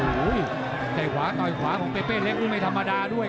ใจขวาต่อยขวาของเปเปเล็กอุ้งไม่ธรรมดาด้วย